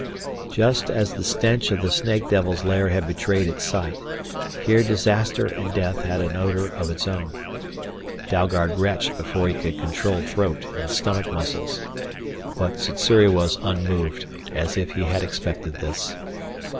Just as the stench of the snake devil's lair had betrayed its site, here disaster and death had an odor of its own. Dalgard retched before he could control throat and stomach muscles. But Sssuri was unmoved, as if he had expected this.